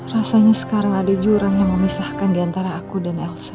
rasanya sekarang ada jurang yang memisahkan diantara aku dan elsa